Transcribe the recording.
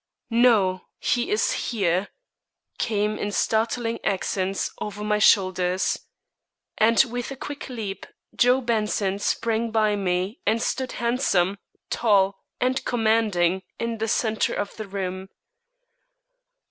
"No, he is here!" came in startling accents over my shoulders. And with a quick leap Joe Benson sprang by me and stood handsome, tall, and commanding in the centre of the room.